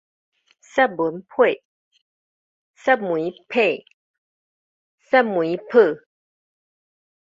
雪文沫